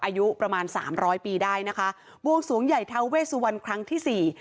อายุประมาณสามร้อยปีได้นะคะบวงสวงใหญ่ทาเวสุวรรณครั้งที่สี่